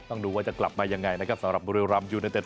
ต้องดูว่าจะกลับมายังไงนะครับสำหรับบุรีรำยูเนเต็